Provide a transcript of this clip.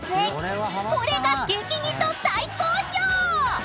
［これが激似と大好評！］